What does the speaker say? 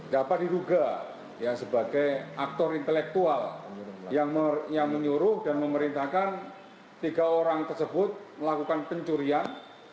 dapat diduga sebagai aktor intelektual yang menyuruh dan memerintahkan tiga orang tersebut melakukan pencurian